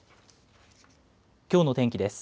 きょうの天気です。